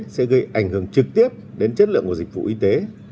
sẽ gây ảnh hưởng trực tiếp đến chất lượng của dịch vụ y tế